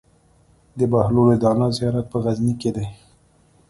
د بهلول دانا زيارت په غزنی کی دی